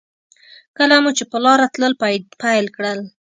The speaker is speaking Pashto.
کله مو چې په لاره تلل پیل کړل.